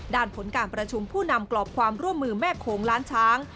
ผลการประชุมผู้นำกรอบความร่วมมือแม่โขงล้านช้าง